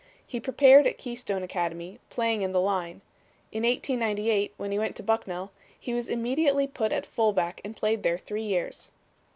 He prepared at Keystone Academy, playing in the line. In 1898, when he went to Bucknell, he was immediately put at fullback and played there three years.